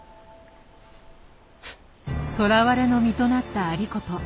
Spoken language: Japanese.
捕らわれの身となった有功。